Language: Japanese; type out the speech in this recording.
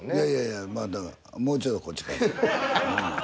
いやいやいやまあもうちょっとこっちかな。